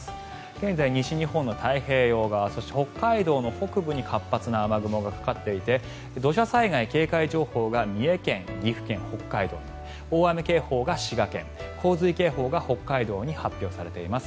現在、西日本の太平洋側そして北海道の北部に活発な雨雲がかかっていて土砂災害警戒情報が三重県、岐阜県、北海道大雨警報が滋賀県洪水警報が北海道に発表されています。